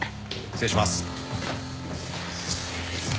失礼します。